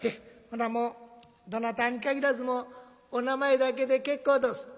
ほなもうどなたに限らずお名前だけで結構どす」。